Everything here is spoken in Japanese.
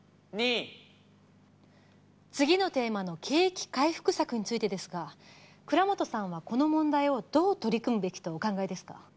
次のテーマの景気回復策についてですが蔵本さんはこの問題をどう取り組むべきとお考えですか？